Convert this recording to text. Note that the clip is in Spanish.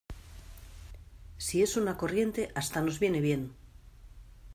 si es una corriente, hasta nos viene bien